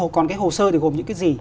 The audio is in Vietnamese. còn cái hồ sơ thì gồm những cái gì